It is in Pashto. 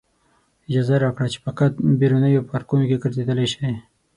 اجازه یې راکړه چې فقط بیرونیو پارکونو کې ګرځېدلی شئ.